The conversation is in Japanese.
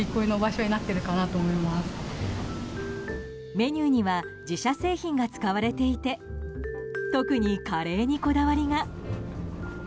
メニューには自社製品が使われていて特にカレーにこだわりが。